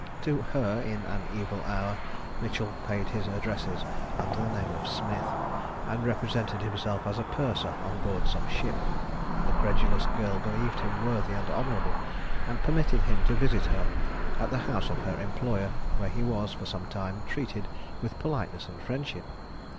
To her, in an evil hour, Mitchell paid his addresses, under the name of Smith, and represented himself as purser on board some ship. The credulous girl believed him worthy and honourable, and permitted him to visit her, at the house of her employer, where he was, for some time, treated with politeness and friendship.